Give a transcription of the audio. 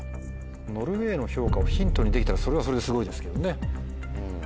ノルウェーの評価をヒントにできたらそれはそれですごいですけどね。